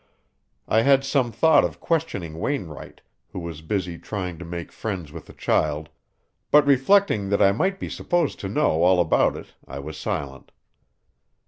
I had some thought of questioning Wainwright, who was busy trying to make friends with the child, but reflecting that I might be supposed to know all about it I was silent.